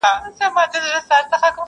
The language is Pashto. د شپې ویښ په ورځ ویده نه په کارېږي!.